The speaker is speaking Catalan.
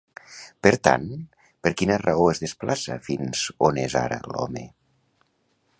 Per tant, per quina raó es desplaça fins on és ara, l'home?